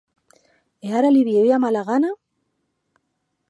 E ara li vie ua malagana!